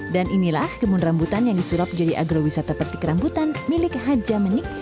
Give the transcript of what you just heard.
dan inilah kebun rambutan yang disurup jadi agrowisata petik rambutan milik haja menik